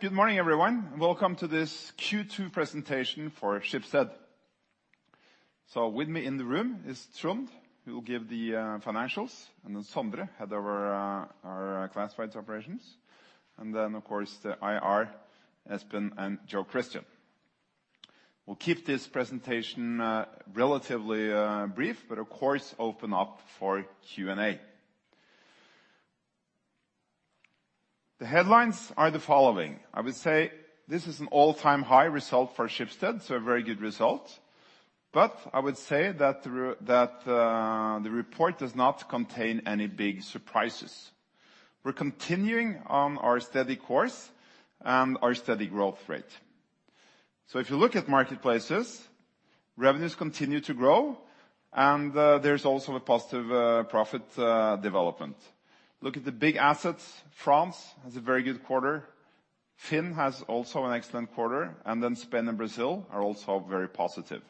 Good morning, everyone, welcome to this Q2 Presentation for Schibsted. With me in the room is Trond, who will give the financials, and then Sondre, Head of our Classifieds Operations, and then of course the IR, Espen and Jo Christian. We'll keep this presentation relatively brief, but of course open up for Q&A. The headlines are the following. I would say this is an all-time high result for Schibsted, so a very good result. I would say that the report does not contain any big surprises. We're continuing on our steady course and our steady growth rate. If you look at marketplaces, revenues continue to grow and there's also a positive profit development. Look at the big assets. France has a very good quarter. FINN has also an excellent quarter. Spain and Brazil are also very positive.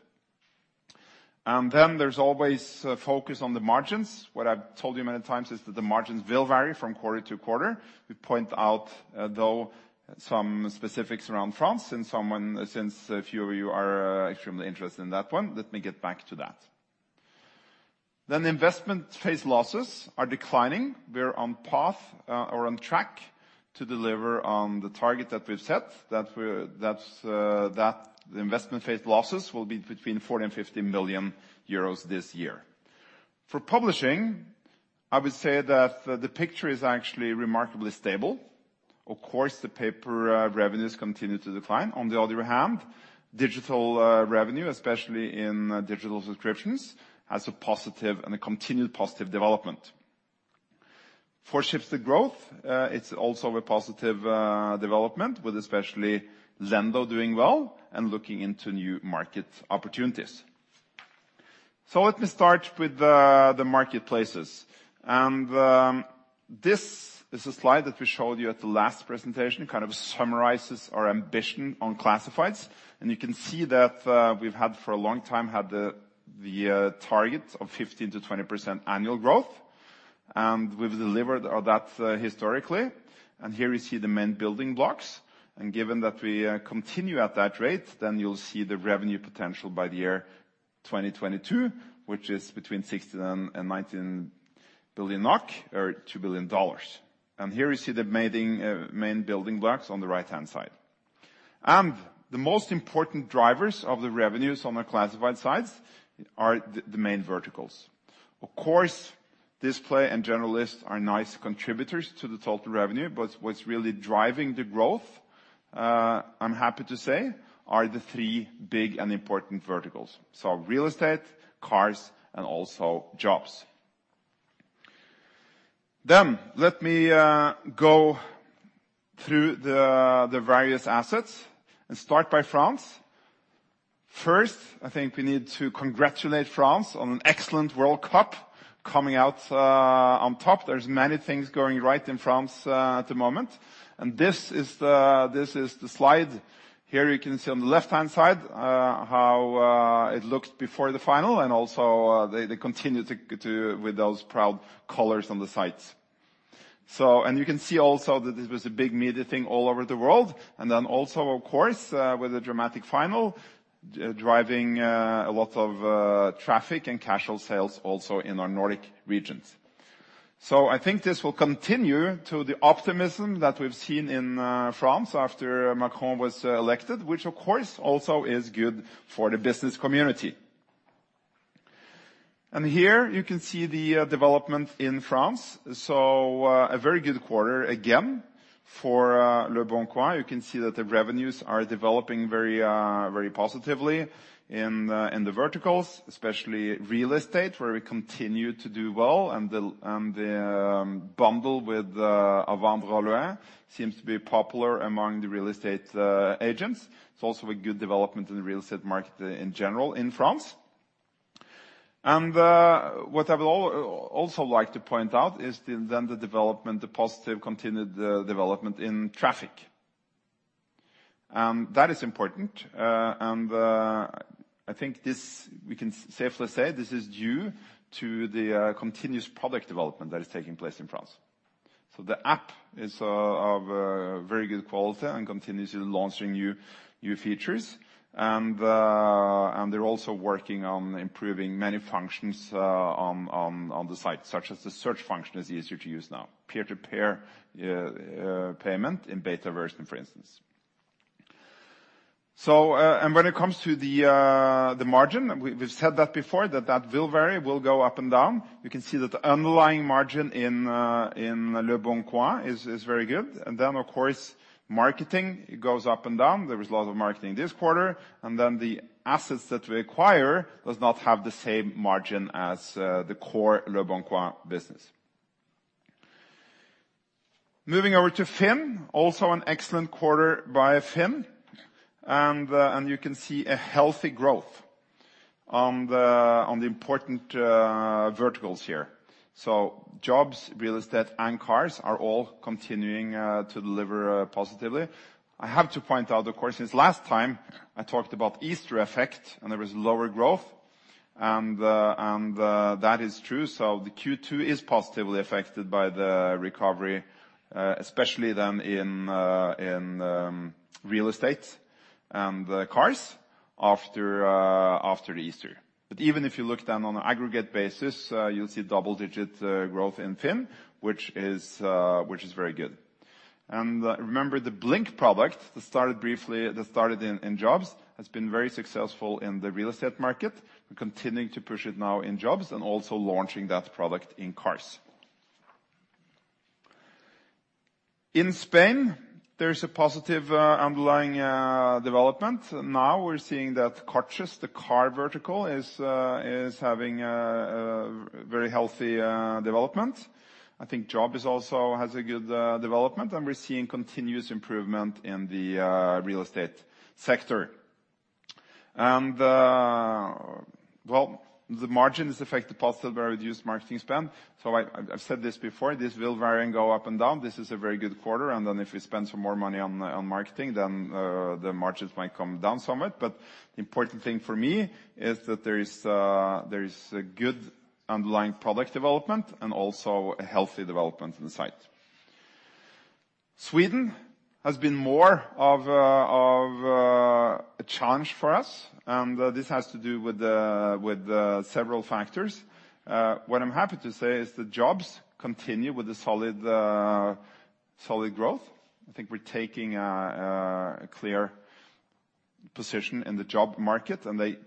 There's always focus on the margins. What I've told you many times is that the margins will vary from quarter to quarter. We point out, though some specifics around France since a few of you are extremely interested in that one, let me get back to that. The investment phase losses are declining. We're on path or on track to deliver on the target that we've set, that the investment phase losses will be between 40 million and 50 million euros this year. For publishing, I would say that the picture is actually remarkably stable. Of course, the paper revenues continue to decline. On the other hand, digital revenue, especially in digital subscriptions, has a positive and a continued positive development. For Schibsted Growth, it's also a positive development with especially Lendo doing well and looking into new market opportunities. Let me start with the marketplaces. This is a slide that we showed you at the last presentation, kind of summarizes our ambition on Classifieds. You can see that we've had for a long time had the target of 15%-20% annual growth, and we've delivered all that historically. Here you see the main building blocks. Given that we continue at that rate, then you'll see the revenue potential by the year 2022, which is between 16 billion and 19 billion NOK or $2 billion. Here you see the main building blocks on the right-hand side. The most important drivers of the revenues on our Classifieds sides are the main verticals. Of course, display and journalists are nice contributors to the total revenue, but what's really driving the growth, I'm happy to say, are the three big and important verticals, so real estate, cars, and also jobs. Let me go through the various assets and start by France. First, I think we need to congratulate France on an excellent World Cup coming out on top. There's many things going right in France at the moment. This is the slide. Here you can see on the left-hand side, how it looked before the final, and also, they continue with those proud colors on the sides. You can see also that this was a big media thing all over the world. Then also of course, with a dramatic final, driving a lot of traffic and casual sales also in our Nordic regions. I think this will continue to the optimism that we've seen in France after Macron was elected, which of course also is good for the business community. Here you can see the development in France, a very good quarter again for leboncoin. You can see that the revenues are developing very, very positively in the verticals, especially real estate, where we continue to do well and the bundle with À Vendre à Louer seems to be popular among the real estate agents. It's also a good development in the real estate market in general in France. What I would also like to point out is the Lendo development, the positive continued development in traffic. That is important. I think this, we can safely say this is due to the continuous product development that is taking place in France. The app is of very good quality and continues in launching new features and they're also working on improving many functions on the site, such as the search function is easier to use now. Peer-to-peer payment in beta version, for instance. When it comes to the margin, we've said that before, that that will vary, will go up and down. You can see that the underlying margin in leboncoin is very good. Of course, marketing, it goes up and down. There was a lot of marketing this quarter. The assets that we acquire does not have the same margin as the core leboncoin business. Moving over to FINN, also an excellent quarter by FINN. You can see a healthy growth on the important verticals here. Jobs, real estate, and cars are all continuing to deliver positively. I have to point out, of course, since last time I talked about Easter effect and there was lower growth. That is true. The Q2 is positively affected by the recovery, especially then in real estate and the cars after Easter. Even if you look down on the aggregate basis, you'll see double-digit growth in FINN, which is very good. Remember the Blink product that started briefly, that started in jobs has been very successful in the real estate market. We're continuing to push it now in jobs and also launching that product in cars. In Spain, there's a positive underlying development. Now we're seeing that Coches.net, the car vertical, is having a very healthy development. I think jobs also has a good development, and we're seeing continuous improvement in the real estate sector. Well, the margin is affected positively by reduced marketing spend. I've said this before, this will vary and go up and down. This is a very good quarter. If we spend some more money on marketing, then the margins might come down somewhat. The important thing for me is that there is a good underlying product development and also a healthy development in the site. Sweden has been more of a challenge for us, and this has to do with several factors. What I'm happy to say is that jobs continue with a solid growth. I think we're taking a clear position in the job market, and they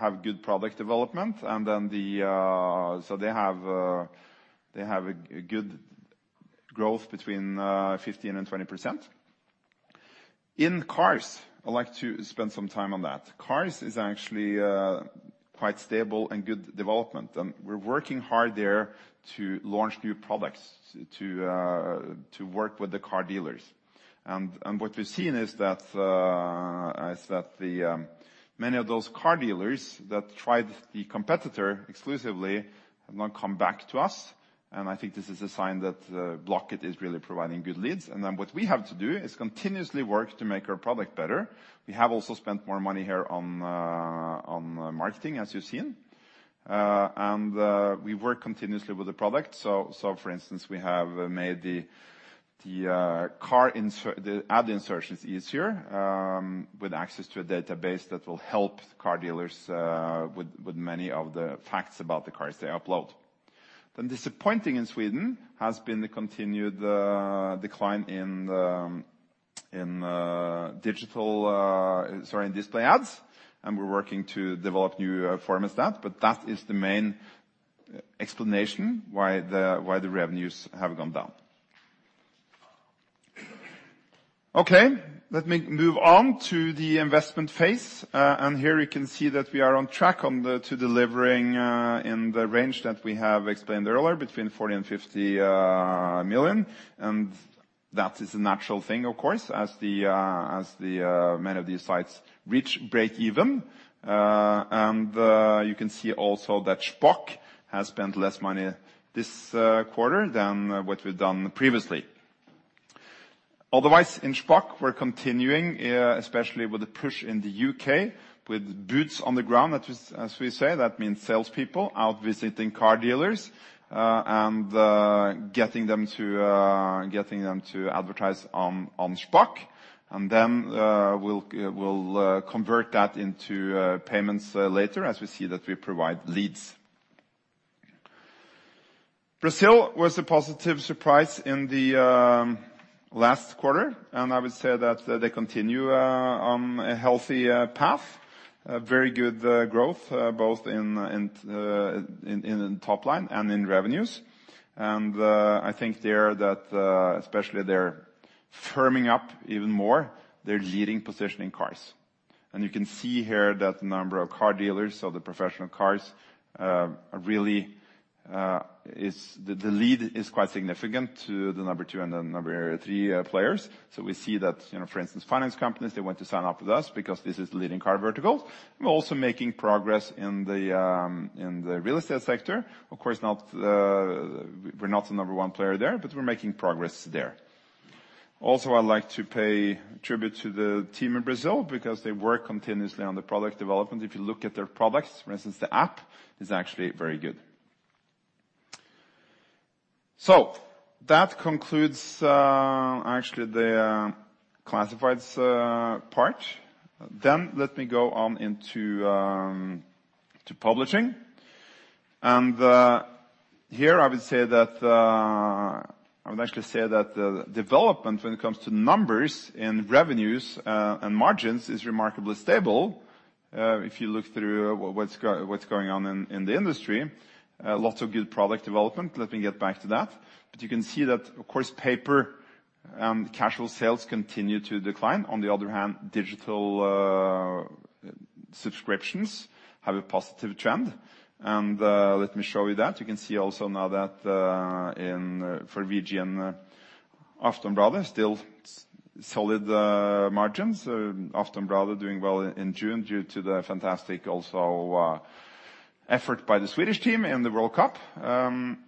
have good product development. They have a good growth between 15% and 20%. In cars, I'd like to spend some time on that. Cars is actually quite stable and good development, we're working hard there to launch new products to work with the car dealers. What we've seen is that many of those car dealers that tried the competitor exclusively have now come back to us. I think this is a sign that Blocket is really providing good leads. What we have to do is continuously work to make our product better. We have also spent more money here on marketing, as you've seen. We work continuously with the product. For instance, we have made the car insert, the ad insertions easier, with access to a database that will help car dealers with many of the facts about the cars they upload. Disappointing in Sweden has been the continued decline in digital, sorry, in display ads, and we're working to develop new forms of that. That is the main explanation why the revenues have gone down. Okay, let me move on to the investment phase. Here you can see that we are on track to delivering in the range that we have explained earlier, between 40 and 50 million. That is a natural thing, of course, as the many of these sites reach breakeven. You can see also that Shpock has spent less money this quarter than what we've done previously. Otherwise, in Shpock, we're continuing especially with the push in the U.K. with boots on the ground, as we say. That means salespeople out visiting car dealers and getting them to advertise on Shpock. We'll convert that into payments later as we see that we provide leads. Brazil was a positive surprise in the last quarter, and I would say that they continue on a healthy path. A very good growth both in top line and in revenues. I think there that especially they're firming up even more their leading position in cars. You can see here that the number of car dealers, so the professional cars, really is. The lead is quite significant to the number 2 and the number 3 players. We see that, you know, for instance, finance companies, they want to sign up with us because this is the leading car vertical. We're also making progress in the in the real estate sector. Of course not, we're not the number 1 player there, but we're making progress there. Also, I'd like to pay tribute to the team in Brazil because they work continuously on the product development. If you look at their products, for instance, the app is actually very good. That concludes, actually the Classifieds part. Let me go on into to publishing. Here I would say that I would actually say that the development when it comes to numbers in revenues and margins is remarkably stable if you look through what's going on in the industry. Lots of good product development. Let me get back to that. You can see that, of course, paper, casual sales continue to decline. On the other hand, digital, subscriptions have a positive trend. Let me show you that. You can see also now that, in, for VG and Aftonbladet still solid margins. Aftonbladet doing well in June due to the fantastic also, effort by the Swedish team in the World Cup. We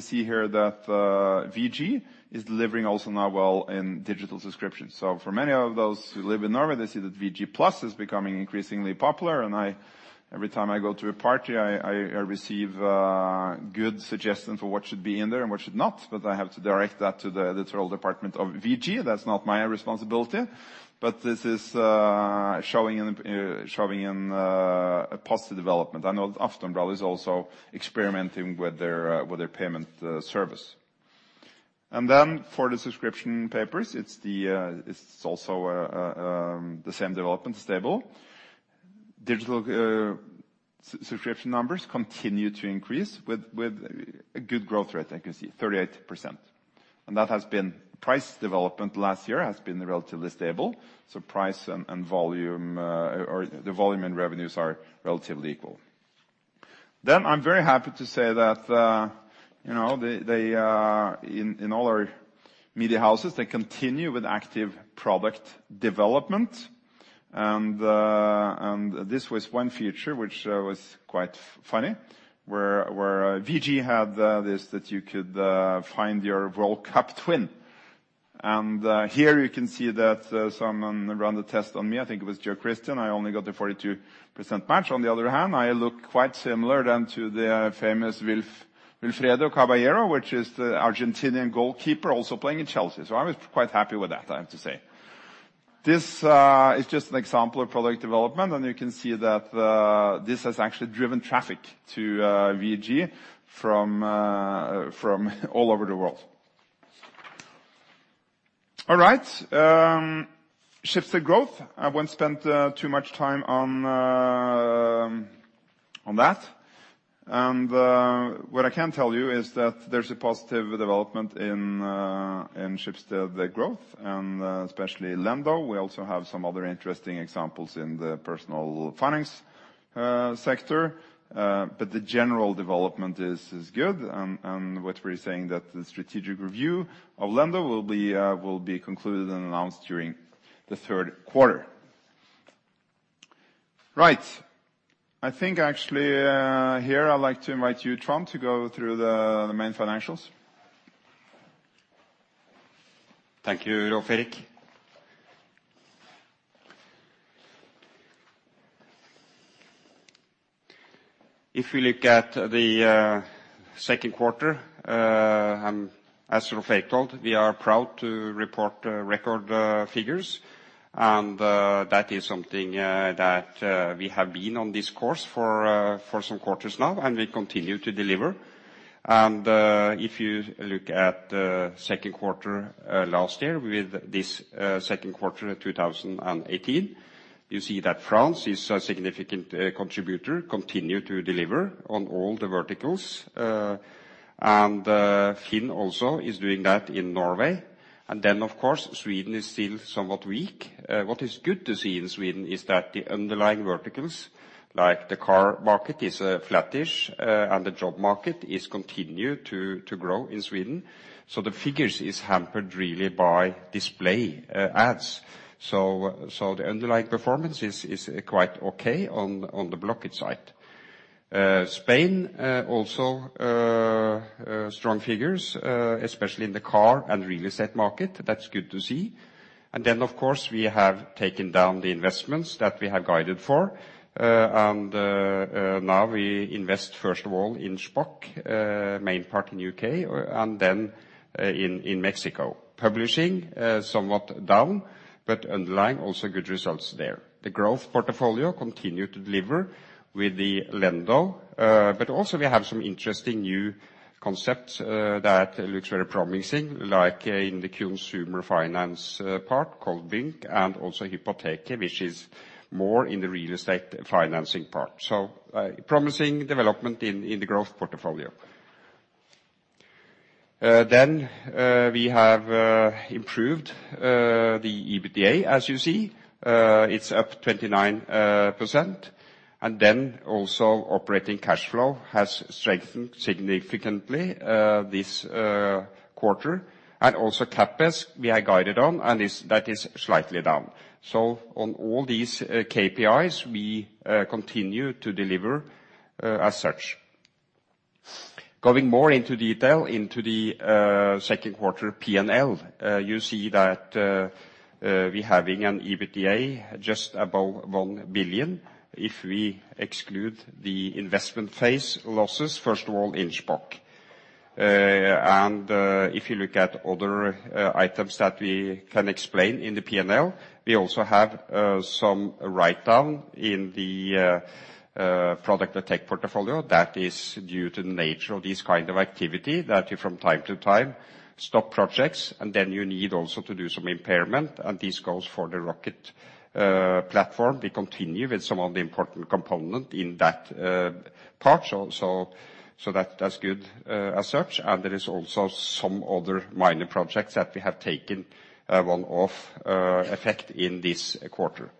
see here that VG is delivering also now well in digital subscriptions. For many of those who live in Norway, they see that VG+ is becoming increasingly popular. I, every time I go to a party, I receive good suggestions for what should be in there and what should not. I have to direct that to the editorial department of VG. That's not my responsibility. This is showing in a positive development. I know Aftonbladet is also experimenting with their with their payment service. Then for the subscription papers, it's also the same development, stable. Digital subscription numbers continue to increase with a good growth rate I can see, 38%. That has been price development last year has been relatively stable. Price and volume, or the volume and revenues are relatively equal. I'm very happy to say that, you know, they in all our media houses, they continue with active product development. This was one feature which was quite funny, where VG had this, that you could find your World Cup twin. Here you can see that someone ran the test on me. I think it was Geir Kristian. I only got a 42% match. On the other hand, I look quite similar than to the famous Wilfredo Caballero, which is the Argentinian goalkeeper also playing in Chelsea. I was quite happy with that, I have to say. This is just an example of product development, and you can see that this has actually driven traffic to VG from all over the world. All right. Schibsted Growth. I won't spend too much time on that. What I can tell you is that there's a positive development in Schibsted, the Growth, and especially Lendo. We also have some other interesting examples in the personal finance sector. The general development is good. What we're saying that the strategic review of Lendo will be concluded and announced during the third quarter. Right. I think actually, here I'd like to invite you, Trond, to go through the main financials. Thank you, Rolv Erik. If we look at the second quarter, as Rolv Erik told, we are proud to report record figures. That is something that we have been on this course for some quarters now. We continue to deliver. If you look at second quarter last year with this second quarter in 2018, you see that France is a significant contributor, continue to deliver on all the verticals. FINN also is doing that in Norway. Of course, Sweden is still somewhat weak. What is good to see in Sweden is that the underlying verticals, like the car market, is flattish, and the job market is continue to grow in Sweden. The figures is hampered really by display ads. The underlying performance is quite okay on the Blocket side. Spain also strong figures especially in the car and real estate market. That's good to see. Of course, we have taken down the investments that we have guided for. And now we invest first of all in Shpock, main part in U.K., and then in Mexico. Publishing somewhat down, but underlying also good results there. The growth portfolio continue to deliver with the Lendo. Also we have some interesting new concepts that looks very promising, like in the consumer finance part called Blink and also Hypoteket, which is more in the real estate financing part. Promising development in the growth portfolio. Then we have improved the EBITDA. As you see, it's up 29%. And also operating cash flow has strengthened significantly this quarter. And also CapEx we have guided on, and that is slightly down. So on all these KPIs, we continue to deliver as such. Going more into detail into the second quarter PNL, you see that we having an EBITDA just above 1 billion if we exclude the investment phase losses, first of all in Shpock. And if you look at other items that we can explain in the PNL, we also have some write-down in the product tech portfolio. That is due to the nature of this kind of activity, that you from time to time stop projects, then you need also to do some impairment, and this goes for the Rocket platform. We continue with some of the important component in that part. That's good as such. There is also some other minor projects that we have taken one-off effect in this quarter.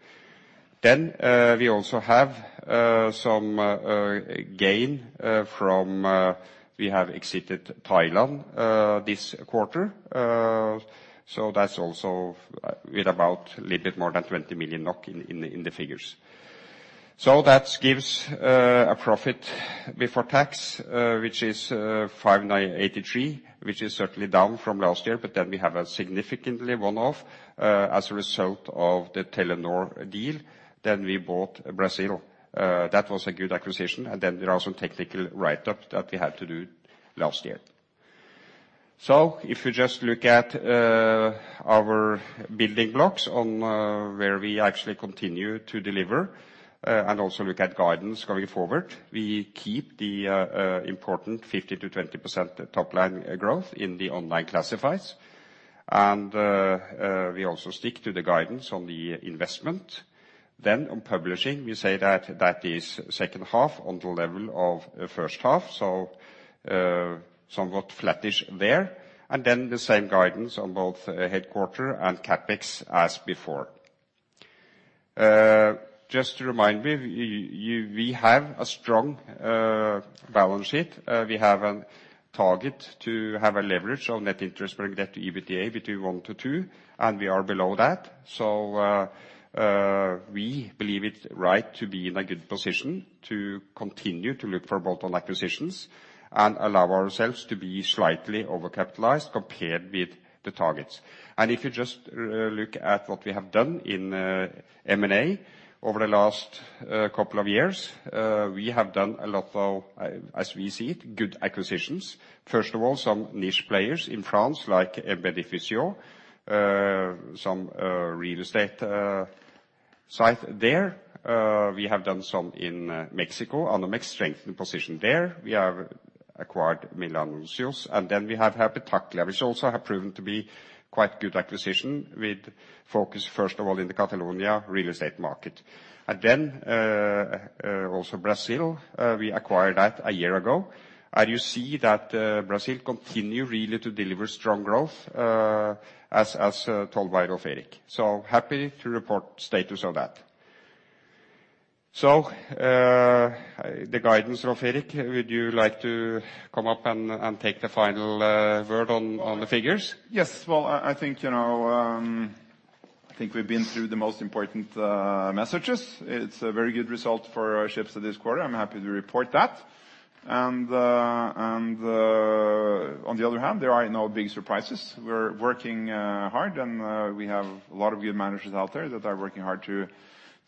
We also have some gain from we have exited Thailand this quarter. That's also with about a little bit more than 20 million NOK in the figures. That gives a profit before tax, which is 5,983, which is certainly down from last year. We have a significantly one-off as a result of the Telenor deal. he Correction:** 1. **"Brasil" to "Brazil":** The glossary does not explicitly list "Brasil" but "Brazil" is the standard English spelling for the country. Since the context is a business acquisition, the English spelling is appropriate. 2. **Removed "Uh," and "uh,":** These are filler sounds and were removed according to the instructions. 3. **"write-up":** This is a compound and allow ourselves to be slightly over-capitalized compared with the targets. If you just look at what we have done in M&A over the last couple of years, we have done a lot of, as we see it, good acquisitions. First of all, some niche players in France, like Bien'ici, some real estate site there. We have done some in Mexico, on the strength and position there. We have acquired Milanuncios, then we have Habitaclia, which also have proven to be quite good acquisition with focus first of all in the Catalonia real estate market. Then, also Brazil, we acquired that a year ago. You see that Brazil continue really to deliver strong growth, as told by Rolv Erik. Happy to report status of that. The guidance, Rolv Erik, would you like to come up and take the final word on the figures? Yes. Well, I think, you know, I think we've been through the most important messages. It's a very good result for Schibsted this quarter. I'm happy to report that. On the other hand, there are no big surprises. We're working hard and we have a lot of good managers out there that are working hard to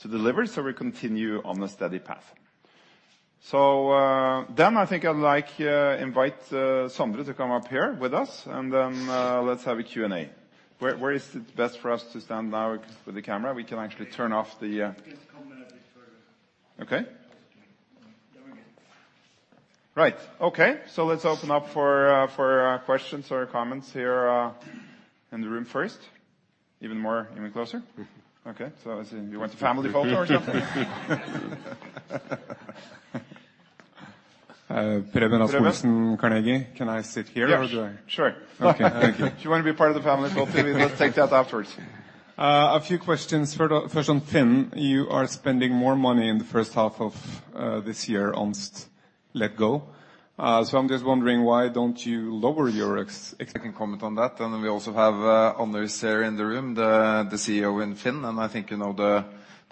deliver. We continue on the steady path. Then I think I'd like invite Sondre to come up here with us. Then let's have a Q&A. Where is it best for us to stand now with the camera? We can actually turn off the. Please come a bit further. Okay. Down again. Right. Okay. Let's open up for questions or comments here in the room first. Even more, even closer? Okay. Is it you want a family photo or something? Preben Rasch-Olsen, Carnegie. Can I sit here or? Yes. Sure. Okay. Thank you. If you want to be part of the family photo, we will take that afterwards. A few questions. First on FINN. You are spending more money in the first half of this year on Letgo. I'm just wondering, why don't you lower your? I can comment on that. Then we also have Anders here in the room, the CEO in FINN, and I think you know the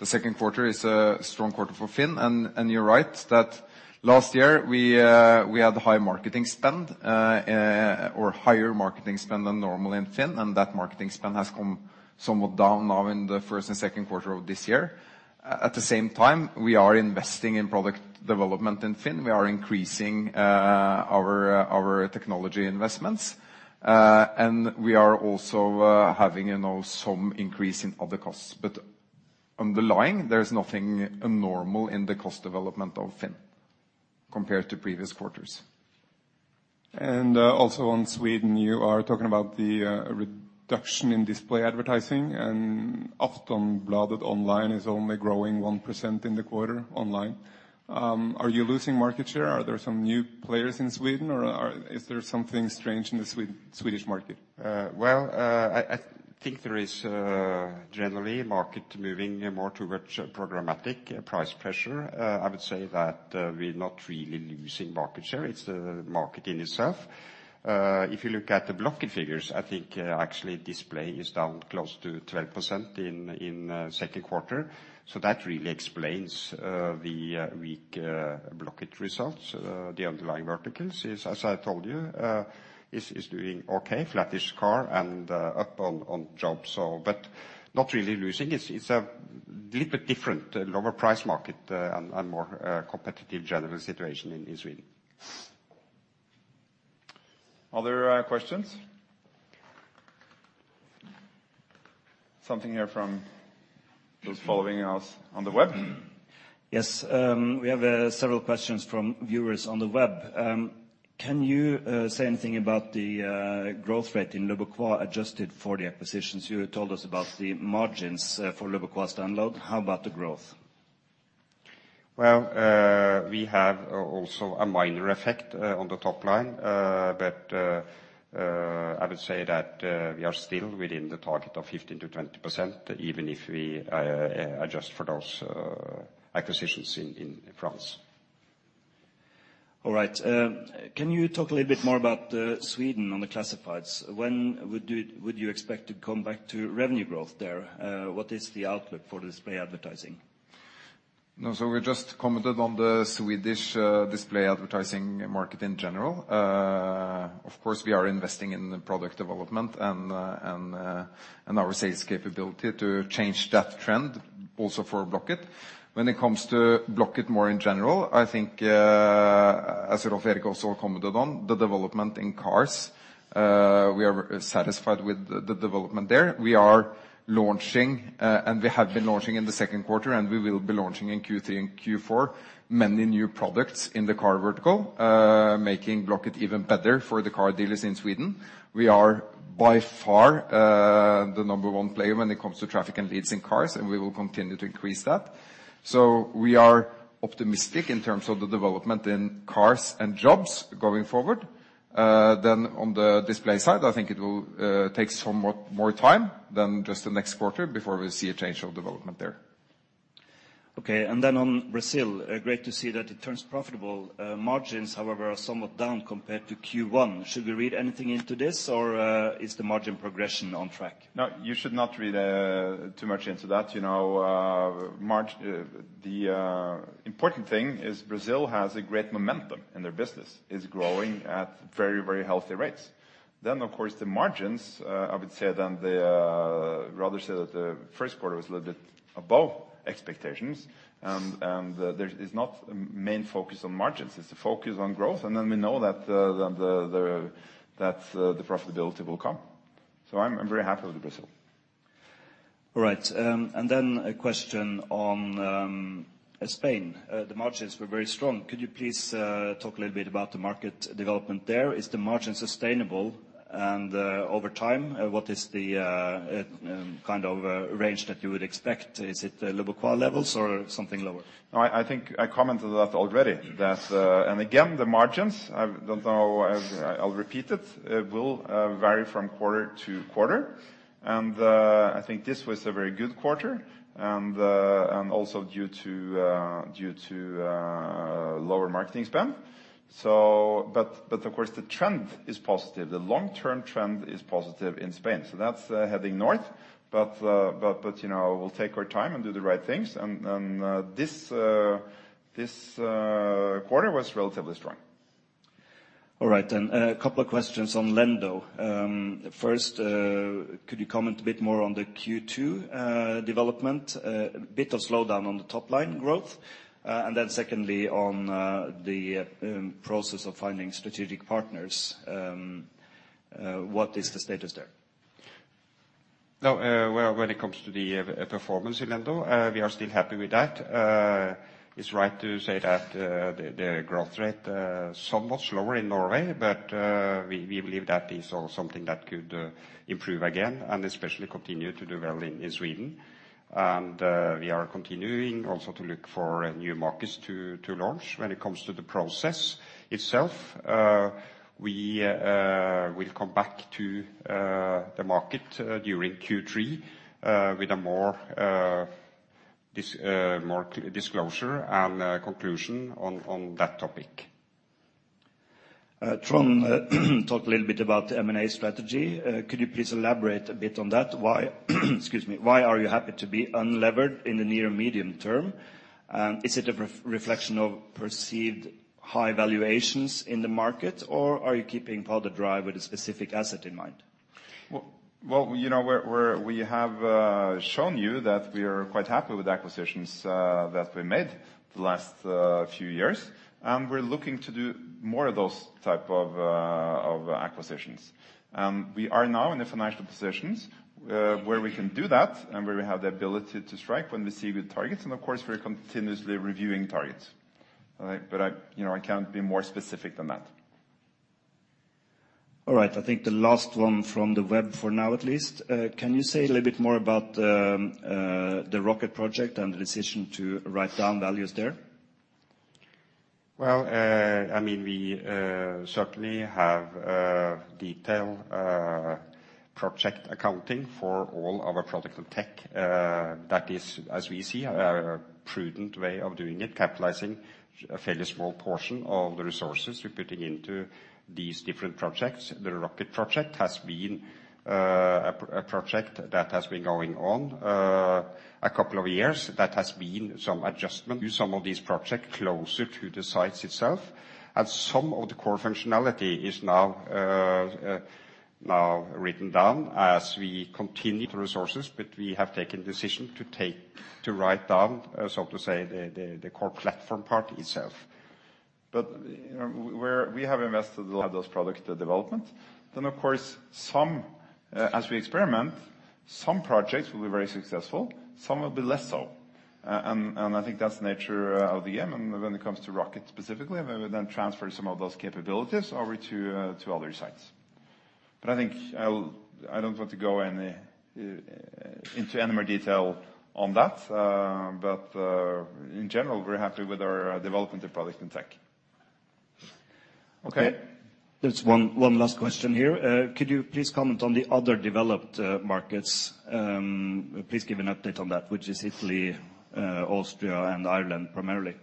second quarter is a strong quarter for FINN. You're right that last year we had high marketing spend, or higher marketing spend than normal in FINN, and that marketing spend has come somewhat down now in the first and second quarter of this year. At the same time, we are investing in product development in FINN. We are increasing our technology investments, and we are also having, you know, some increase in other costs. Underlying there is nothing abnormal in the cost development of FINN compared to previous quarters. Also on Sweden, you are talking about the reduction in display advertising, and Aftonbladet online is only growing 1% in the quarter online. Are you losing market share? Are there some new players in Sweden or is there something strange in the Swedish market? I think there is generally market moving more towards programmatic price pressure. I would say that we're not really losing market share. It's the market in itself. If you look at the Blocket figures, I think actually display is down close to 12% in second quarter, that really explains the weak Blocket results. The underlying verticals is, as I told you, is doing okay, flattish car and up on jobs. Not really losing. It's a little bit different. Lower price market and more competitive general situation in Sweden. Other questions? Something here from those following us on the web. Yes. We have several questions from viewers on the web. Can you say anything about the growth rate in leboncoin adjusted for the acquisitions? You told us about the margins for leboncoin standalone. How about the growth? Well, we have also a minor effect on the top line. I would say that, we are still within the target of 15%-20%, even if we adjust for those acquisitions in France. All right. Can you talk a little bit more about Sweden on the Classifieds? When would you expect to come back to revenue growth there? What is the outlook for display advertising? We just commented on the Swedish display advertising market in general. Of course, we are investing in the product development and and our sales capability to change that trend also for Blocket. When it comes to Blocket more in general, I think as Rolv Erik also commented on the development in cars, we are satisfied with the development there. We are launching, and we have been launching in the second quarter, and we will be launching in Q3 and Q4 many new products in the car vertical, making Blocket even better for the car dealers in Sweden. We are by far the number 1 player when it comes to traffic and leads in cars, and we will continue to increase that. We are optimistic in terms of the development in cars and jobs going forward. On the display side, I think it will take somewhat more time than just the next quarter before we see a change of development there. Okay. On Brazil, great to see that it turns profitable. Margins, however, are somewhat down compared to Q1. Should we read anything into this, or, is the margin progression on track? No, you should not read, too much into that. You know, the important thing is Brazil has a great momentum, and their business is growing at very, very healthy rates. Of course, the margins, I would say then they are rather say that the first quarter was a little bit above expectations. It's not main focus on margins, it's the focus on growth. We know that, the profitability will come. I'm very happy with Brazil. All right. A question on Spain. The margins were very strong. Could you please talk a little bit about the market development there? Is the margin sustainable? Over time, what is the kind of range that you would expect? Is it the Leboncoin levels or something lower? No, I think I commented that already. Again, the margins, I don't know, I'll repeat it will vary from quarter to quarter. I think this was a very good quarter and also due to lower marketing spend. Of course the trend is positive. The long-term trend is positive in Spain, so that's heading north. You know, we'll take our time and do the right things. This quarter was relatively strong. All right. A couple of questions on Lendo. First, could you comment a bit more on the Q2 development? Bit of slowdown on the top-line growth. Secondly, on the process of finding strategic partners, what is the status there? Well, when it comes to the performance in Lendo, we are still happy with that. It's right to say that the growth rate somewhat slower in Norway, but we believe that is all something that could improve again and especially continue to do well in Sweden. We are continuing also to look for new markets to launch. When it comes to the process itself, we will come back to the market during Q3 with a more disclosure and conclusion on that topic. Trond, talk a little bit about the M&A strategy. Could you please elaborate a bit on that? Why are you happy to be unlevered in the near medium term? Is it a reflection of perceived high valuations in the market, or are you keeping powder dry with a specific asset in mind? Well, you know, we have shown you that we are quite happy with acquisitions that we made the last few years. We're looking to do more of those type of acquisitions. We are now in the financial positions where we can do that and where we have the ability to strike when we see good targets. Of course, we're continuously reviewing targets. All right? I, you know, I can't be more specific than that. All right. I think the last one from the web, for now at least. Can you say a little bit more about the Rocket project and the decision to write down values there? Well, I mean, we certainly have detailed project accounting for all our product and tech. That is, as we see, a prudent way of doing it, capitalizing a fairly small portion of the resources we're putting into these different projects. The Rocket project has been a project that has been going on a couple of years that has been some adjustment to some of these projects closer to the sites itself. Some of the core functionality is now now written down as we continue the resources. We have taken decision to write down, so to say, the core platform part itself. You know, we have invested a lot of those product development. Of course, some, as we experiment, some projects will be very successful, some will be less so. I think that's the nature of VM. When it comes to Rocket specifically, we would then transfer some of those capabilities over to other sites. I think I don't want to go any into any more detail on that. In general, we're happy with our development of product and tech. Okay. There's one last question here. Could you please comment on the other developed markets? Please give an update on that, which is Italy, Austria and Ireland primarily.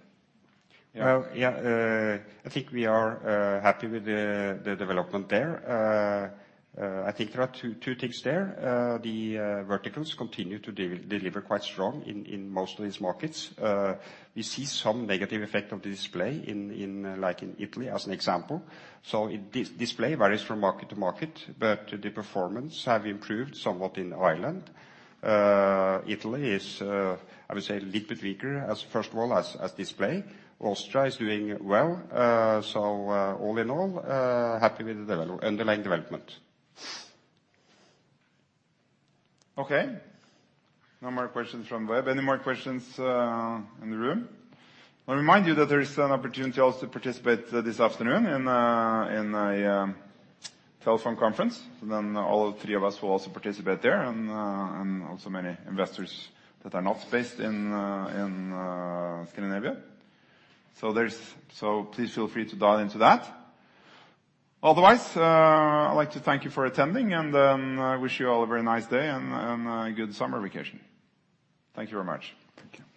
Well, yeah, I think we are happy with the development there. I think there are two things there. The verticals continue to deliver quite strong in most of these markets. We see some negative effect of the display in, like in Italy as an example. It display varies from market to market, but the performance have improved somewhat in Ireland. Italy is, I would say a little bit weaker as first of all, as display. Austria is doing well. All in all, happy with the underlying development. Okay. No more questions from web. Any more questions in the room? I'll remind you that there is an opportunity also to participate this afternoon in a telephone conference. All three of us will also participate there and also many investors that are not based in Scandinavia. Please feel free to dial into that. I'd like to thank you for attending and I wish you all a very nice day and a good summer vacation. Thank you very much. Thank you.